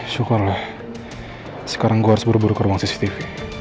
syukurlah sekarang gue harus buru buru ke ruang cctv